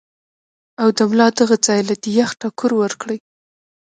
او د ملا دغه ځائے له دې يخ ټکور ورکړي -